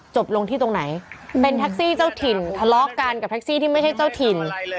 จบลงที่ตรงไหนเป็นแท็กซี่เจ้าถิ่นทะเลาะกันกับแท็กซี่ที่ไม่ใช่เจ้าถิ่น